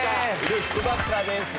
ルックバッカーです。